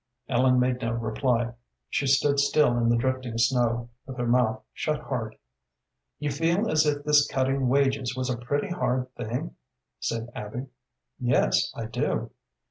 Ellen made no reply. She stood still in the drifting snow, with her mouth shut hard. "You feel as if this cutting wages was a pretty hard thing?" said Abby. "Yes, I do."